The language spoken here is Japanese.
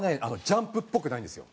『ジャンプ』っぽくないんですよ。